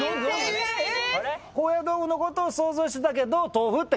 高野豆腐のことを想像してたけど「とうふ」って書いたの？